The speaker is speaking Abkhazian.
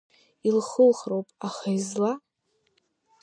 Илхылхроуп, аха изла?